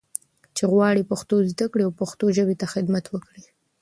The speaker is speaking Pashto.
چې غواړي پښتو زده کړي او پښتو ژبې ته خدمت وکړي.